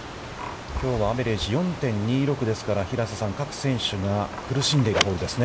きょうはアベレージ４．２６ですから、平瀬さん、各選手が苦しんでいるホールですね。